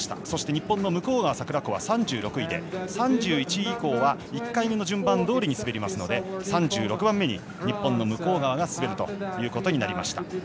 そして日本の向川桜子は３６位で３１位以降は１回目の順番どおりに滑りますので３６番目に日本の向川が滑ることになりました。